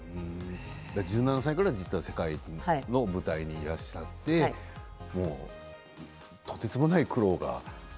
１７歳ぐらいから世界の舞台にいらっしゃってとてつもない苦労が。